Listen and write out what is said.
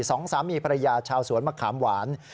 สองสามีภรรยาชาวสวนมะขามหวาน